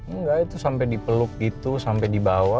enggak itu sampai dipeluk itu sampai dibawa